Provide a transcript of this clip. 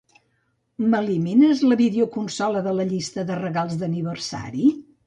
M'elimines la videoconsola de la llista de regals d'aniversari?